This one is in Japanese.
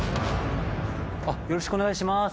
よろしくお願いします。